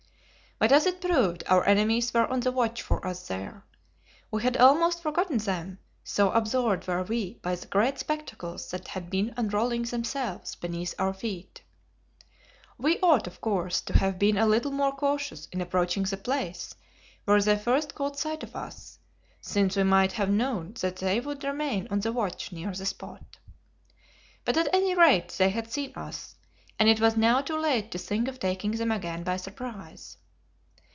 But, as it proved, our enemies were on the watch for us there. We had almost forgotten them, so absorbed were we by the great spectacles that had been unrolling themselves beneath our feet. We ought, of course, to have been a little more cautious in approaching the place where they first caught sight of us, since we might have known that they would remain on the watch near that spot. But at any rate they had seen us, and it was now too late to think of taking them again by surprise.